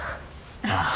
ああ。